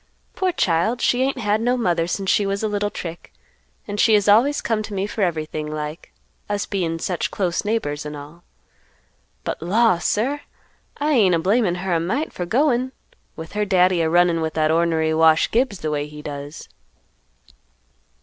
Poor child, she ain't had no mother since she was a little trick, and she has always come to me for everything like, us bein' such close neighbors, and all. But law! sir, I ain't a blamin' her a mite for goin', with her Daddy a runnin' with that ornery Wash Gibbs the way he does."